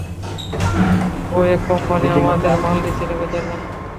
ঐ এক কোম্পানি আমাদের মাল দিছিল, বেচার জন্য।